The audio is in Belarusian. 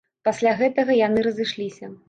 Пасля гэтага яны разышліся.